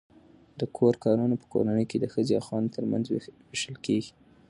د کور کارونه په کورنۍ کې د ښځې او خاوند ترمنځ وېشل شوي.